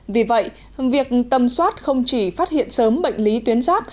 vì vậy việc tầm soát không chỉ phát hiện sớm bệnh lý tuyến giáp